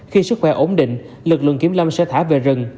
khi sức khỏe ổn định lực lượng kiểm lâm sẽ thả về rừng